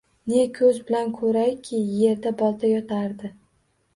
Ne koʻz bilan koʻrayki, yerda bolta yotardi!